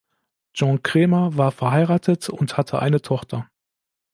Jean Krämer war verheiratet und hatte eine Tochter.